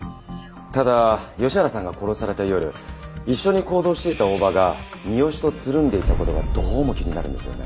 ただ吉原さんが殺された夜一緒に行動していた大場が三好とつるんでいた事がどうも気になるんですよね。